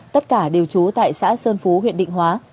tất cả đều trú tại xã sơn phú huyện định hóa